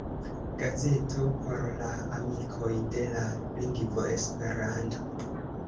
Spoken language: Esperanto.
Gazeto por la amikoj de la lingvo Esperanto.